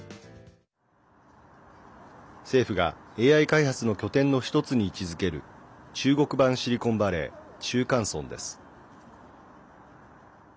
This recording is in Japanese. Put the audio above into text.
政府がＡＩ開発の拠点の１つに位置づける中国版シリコンバレー中関村です。